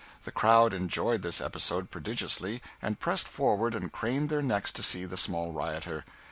The crowd enjoyed this episode prodigiously, and pressed forward and craned their necks to see the small rioter.